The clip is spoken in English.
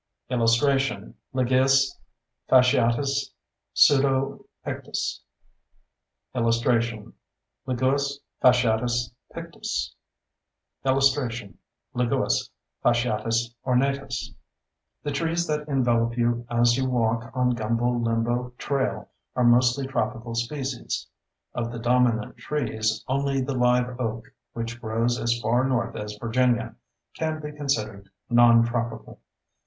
] [Illustration: Liguus fasciatus pseudopictus] [Illustration: Liguus fasciatus pictus] [Illustration: Liguus fasciatus ornatus] The trees that envelop you as you walk on Gumbo Limbo Trail are mostly tropical species; of the dominant trees, only the live oak (which grows as far north as Virginia) can be considered non tropical.